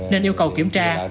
nên yêu cầu kiểm tra